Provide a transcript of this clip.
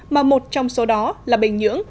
mà một trong số đó là bình nhưỡng